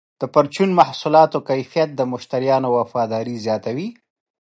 د پرچون محصولاتو کیفیت د مشتریانو وفاداري زیاتوي.